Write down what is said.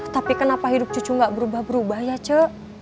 tapi kenapa hidup cucu gak berubah berubah ya ce